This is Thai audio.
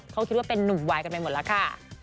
เขาคิดว่าเป็นนุ่มวายกันไปหมดแล้วค่ะ